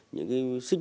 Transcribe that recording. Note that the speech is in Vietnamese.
chỉ có mày